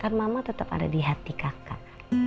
karena mama tetap ada di hati kakak